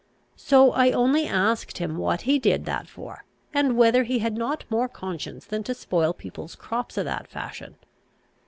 So I only asked him what he did that for, and whether he had not more conscience than to spoil people's crops o' that fashion?